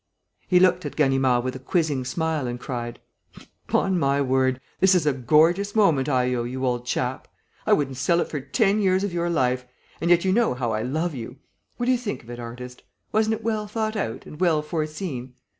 He looked at Ganimard with a quizzing smile and cried: "'Pon my word, this is a gorgeous moment I owe you, old chap! I wouldn't sell it for ten years of your life; and yet you know how I love you! What do you think of it, artist? Wasn't it well thought out and well foreseen?